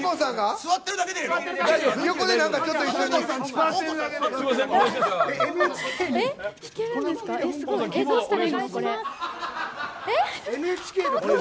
座ってるだけでいいから。